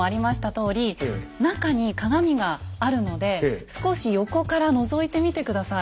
とおり中に鏡があるので少し横からのぞいてみて下さい。